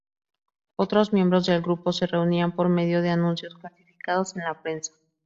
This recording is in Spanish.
Otros miembros del grupo se reunían por medio de anuncios clasificados en la prensa.